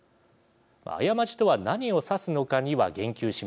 過ちとは何を指すのかには言及しませんでした。